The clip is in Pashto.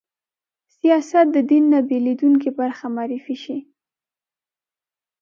سیاست د دین نه بېلېدونکې برخه معرفي شي